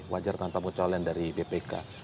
wajar tanpa pengecualian dari bpk